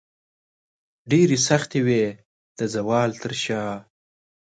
ډیرې سختې وې د زوال تر شاه